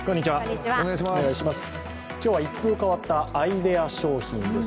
今日は一風変わったアイデア商品です。